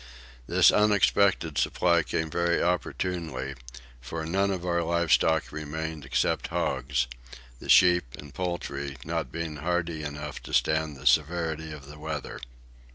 This unexpected supply came very opportunely; for none of our livestock remained except hogs, the sheep and poultry not being hardy enough to stand the severity of the weather.